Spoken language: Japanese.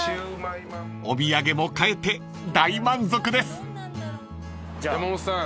［お土産も買えて大満足です］